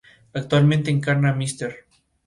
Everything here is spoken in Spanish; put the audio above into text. Actualmente encarna a Mr.